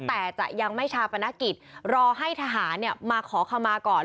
แต่จะยังไม่ชาปนกิจรอให้ทหารมาขอขมาก่อน